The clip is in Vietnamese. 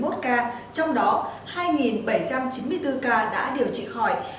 trong đó hai bảy trăm chín mươi bốn ca đã điều trị khỏi